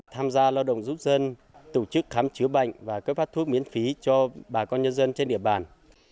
tham gia lao động giúp dân tổ chức khám chứa bệnh và cấp phát thuốc miễn phí cho bà con nhân dân trên địa bàn